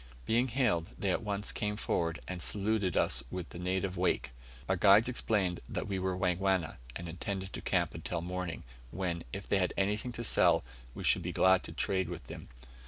Being hailed, they at once came forward, and saluted us with the native "Wake." Our guides explained that we were Wangwana, and intended to camp until morning, when, if they had anything to sell, we should be glad to trade with them.